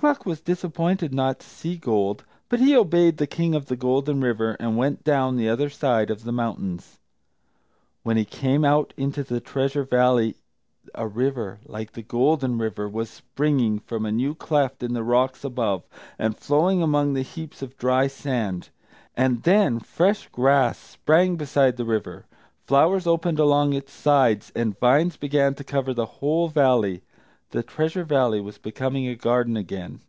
Gluck was disappointed not to see gold, but he obeyed the King of the Golden River, and went down the other side of the mountains. When he came out into the Treasure Valley, a river, like the Golden River, was springing from a new cleft in the rocks above, and flowing among the heaps of dry sand. And then fresh grass sprang beside the river, flowers opened along its sides, and vines began to cover the whole valley. The Treasure Valley was becoming a garden again.